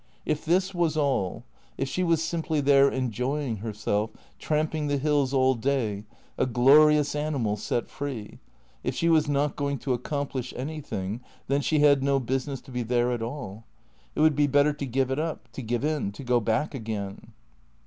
If this was all ; if she was simply there enjoying herself, tramping the hills all day, a glorious animal set free ; if she was not going to accomplish anything, then she had no business to be there at all. It would be better to give it up, to give in, to go back again.